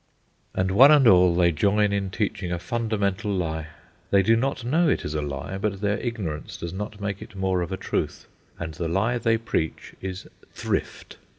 And one and all, they join in teaching a fundamental lie. They do not know it is a lie, but their ignorance does not make it more of a truth. And the lie they preach is "thrift."